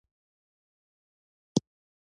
د افغانستان جغرافیه کې ځمکنی شکل ستر اهمیت لري.